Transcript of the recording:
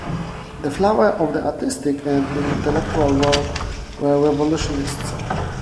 The flower of the artistic and intellectual world were revolutionists.